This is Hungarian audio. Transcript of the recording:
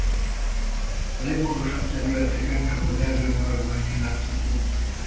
A legmagasabb területeken csak az erdő maradványai láthatók.